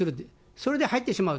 それで入ってしまう。